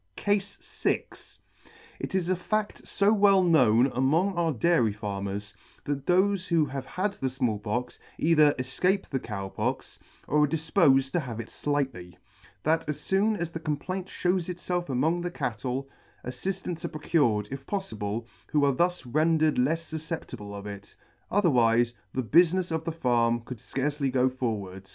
CASE FI. [T is a fad fo well known among our Dairy Farmers, that thofe who have had the Small Pox either efcape the Cow Pox or are difpofed to have it flightly ; that as foon as the com plaint fhews itfelf among the cattle, affiftants are procured, if poffible, who are thus rendered lefs fufceptible of it, otherwife the bufmefs of the farm could fcarcely go forward.